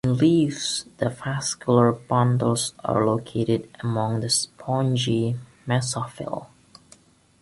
In leaves, the vascular bundles are located among the spongy mesophyll.